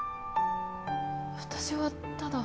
私はただ。